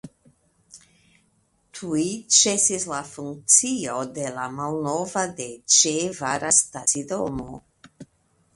Tuj ĉesis la funkcio de la malnova de ĉe Vara stacidomo.